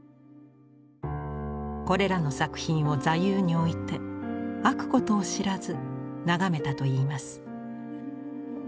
これらの作品を座右に置いて飽くことを知らず眺めたといいます。